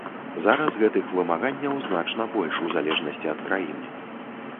Зараз гэтых вымаганняў значна больш, у залежнасці ад краіны.